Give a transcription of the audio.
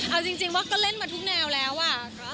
เอาจริงว่าก็เล่นมาทุกแนวแล้วอะ